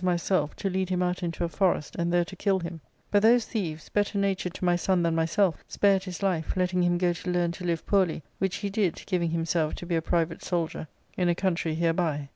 .myself, to lead him out into a forest, and there to kill himi But those thieves, better natured to my son than myself, spared his life, letting him go to learn to live poorly ; which he did, giving himself to be a private soldier in a country hereby.